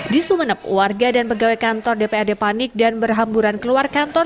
di sumeneb warga dan pegawai kantor dprd panik dan berhamburan keluar kantor